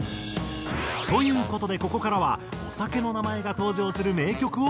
という事でここからはお酒の名前が登場する名曲を紹介。